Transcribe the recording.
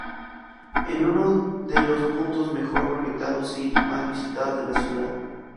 Es uno de los puntos mejor conectados y más visitadas de la ciudad.